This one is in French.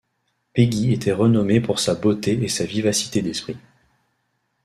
Peggy était renommée pour sa beauté et sa vivacité d'esprit.